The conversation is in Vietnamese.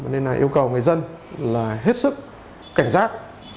nên là yêu cầu người dân là hết sức cảnh giác